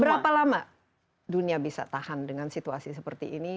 berapa lama dunia bisa tahan dengan situasi seperti ini